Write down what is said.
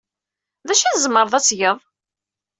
D acu ay tzemred ad t-tged?